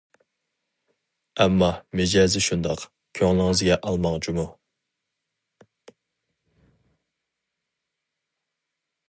ئەمما مىجەزى شۇنداق، كۆڭلىڭىزگە ئالماڭ جۇمۇ!